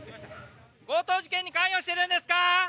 強盗事件に関与しているんですか？